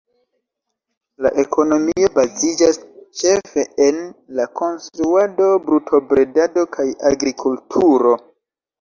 La ekonomio baziĝas ĉefe en la konstruado, brutobredado kaj agrikulturo.